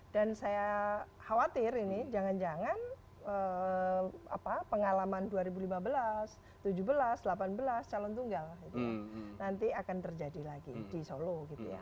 dan saya khawatir ini jangan jangan pengalaman dua ribu lima belas dua ribu tujuh belas dua ribu delapan belas calon tunggal nanti akan terjadi lagi di solo